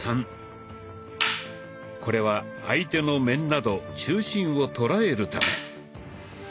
これは相手の面など中心を捉えるため。